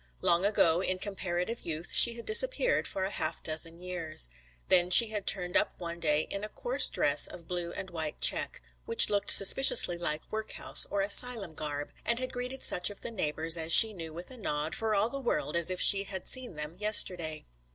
Long ago in comparative youth she had disappeared for a half dozen years. Then she had turned up one day in a coarse dress of blue and white check, which looked suspiciously like workhouse or asylum garb, and had greeted such of the neighbours as she knew with a nod, for all the world as if she had seen them yesterday.